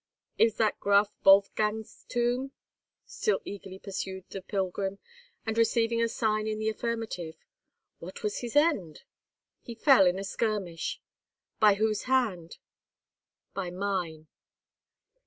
"Is that Graff Wolfgang's tomb?" still eagerly pursued the pilgrim; and receiving a sign in the affirmative, "What was his end?" "He fell in a skirmish." "By whose hand?" "By mine."